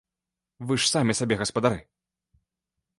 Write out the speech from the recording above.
Вы ж самі сабе гаспадары.